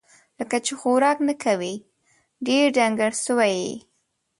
لکه چې خوراک نه کوې ، ډېر ډنګر سوی یې